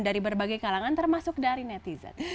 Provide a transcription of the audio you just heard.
dari berbagai kalangan termasuk dari netizen